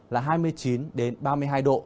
là hai mươi chín đến ba mươi hai độ